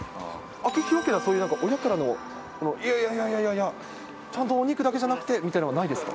秋広家ではそういう親からの、いやいやいや、ちゃんとお肉だけじゃなくてみたいなのはないですか。